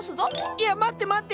いや待って待って。